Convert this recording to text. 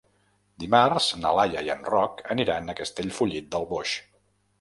Dimarts na Laia i en Roc aniran a Castellfollit del Boix.